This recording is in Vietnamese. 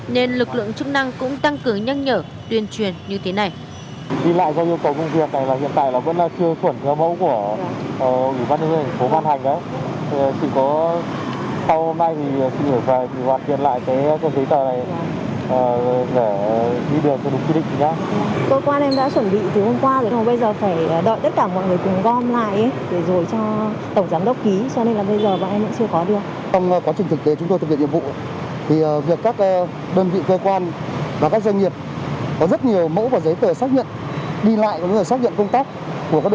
nên lực lượng chức năng cũng tăng trở lại